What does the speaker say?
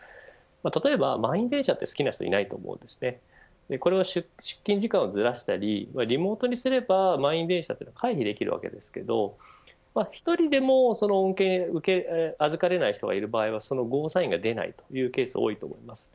例えば、満員電車って好きな人いないと思うんですけどこれは、出勤時間をずらしたりリモートにすれば満員電車って回避できるわけですけれど１人でも恩恵を預かれない人がいる場合はそのゴーサインが出ないケースが多いと思います。